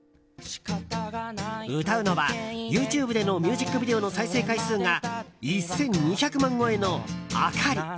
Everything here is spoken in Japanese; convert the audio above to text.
歌うのはＹｏｕＴｕｂｅでのミュージックビデオの再生回数が１２００万超えの「燈」。